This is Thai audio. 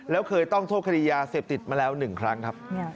แล้วเคยต้องโทษคดียาเสพติดมาแล้ว๑ครั้งครับ